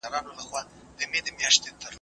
د معلوماتو تجزیه تر راټولولو زیاته مهمه ده.